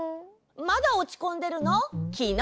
まだおちこんでるの？